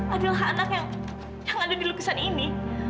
adalah anak yang ada di lukisan ini